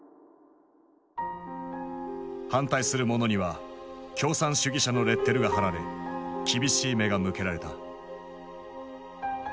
反対する者には「共産主義者」のレッテルが貼られ厳しい目が向けられた。